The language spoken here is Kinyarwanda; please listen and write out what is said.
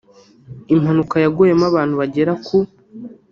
impanuka yaguyemo abantu bagera ku